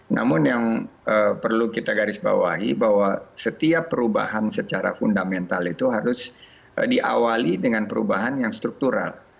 namun yang perlu kita garis bawahi bahwa setiap perubahan secara fundamental itu harus diawali dengan perubahan yang struktural